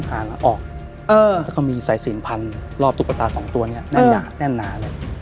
หลังทุนกันออกแล้วก็มีสายสินพันธุ์รอบตุ๊กตา๒ตัวนี้แน่นหนาเลย